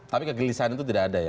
tapi kegelisahan itu tidak ada ya